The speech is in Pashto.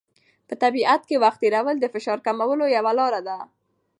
په طبیعت کې وخت تېرول د فشار کمولو یوه لاره ده.